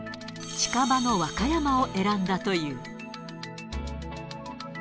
近場の和歌山を選んだという。